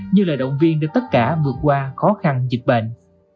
như lời động viên để tất cả vượt qua khó khăn dịch bệnh